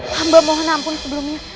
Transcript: hamba mohon ampun sebelumnya